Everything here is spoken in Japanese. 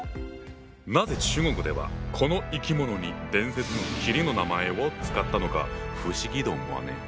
なぜ中国ではこの生き物に伝説の麒麟の名前を使ったのか不思議と思わねえ？